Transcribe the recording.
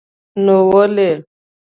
نو ولې.